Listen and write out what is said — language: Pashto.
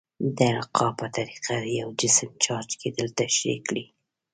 د القاء په طریقه د یو جسم چارج کیدل تشریح کړئ.